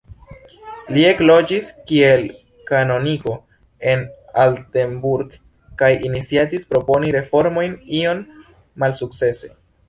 Li ekloĝis kiel kanoniko en Altenburg, kaj iniciatis proponi reformojn, iom malsukcese.